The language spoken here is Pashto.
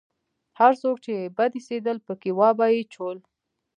هر څوک چې يې بد اېسېدل پکښې وابه يې چول.